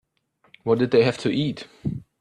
What did they have to eat?